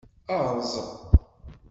Erẓ.